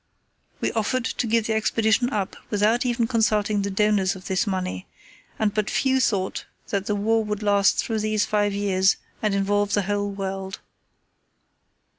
We offered to give the Expedition up without even consulting the donors of this money, and but few thought that the war would last through these five years and involve the whole world.